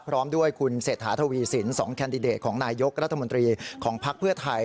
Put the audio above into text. พร้อมด้วยคุณเศรษฐาทวีสิน๒แคนดิเดตของนายยกรัฐมนตรีของภักดิ์เพื่อไทย